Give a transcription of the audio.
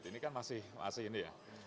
ini kan masih ini ya